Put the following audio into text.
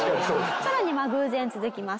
さらに偶然続きます。